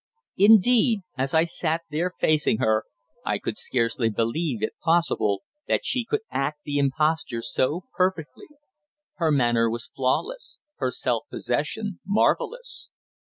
Indeed, as I sat there facing her, I could scarcely believe it possible that she could act the imposture so perfectly. Her manner was flawless; her self possession marvellous.